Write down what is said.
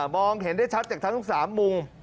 มองเห็นได้ชัดจากทั้ง๓มุม